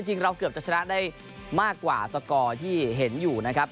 จริงเราเกือบจะชนะได้มากกว่าสกอร์ที่เห็นอยู่นะครับ